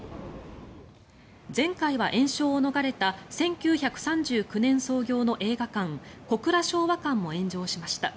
前回は延焼を逃れた１９３９年創業の映画館小倉昭和館も炎上しました。